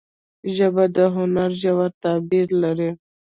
ژبه د هنر ژور تعبیر لري